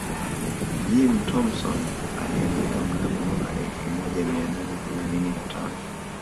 Jim Thompson aliandika mnamo mwaka elfu moja mia nane themanini na tano